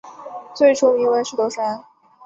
最初名为石头山。